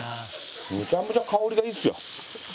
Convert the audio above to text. めちゃめちゃ香りがいいっすよ。